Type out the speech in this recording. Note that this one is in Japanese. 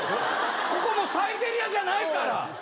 ここもうサイゼリヤじゃないから。